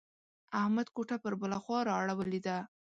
احمد کوټه پر بله خوا را اړولې ده.